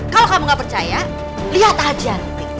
kalau kamu gak percaya lihat aja nanti